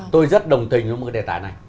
tôi rất đồng tình với một đề tài này